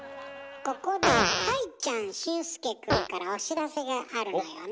ここで愛ちゃん俊介くんからお知らせがあるのよね。